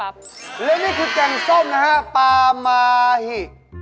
และนี่คือแกงส้มนะฮะปลามาหิ